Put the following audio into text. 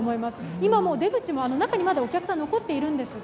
今もう出口は、まだ中にお客さん残っているんですが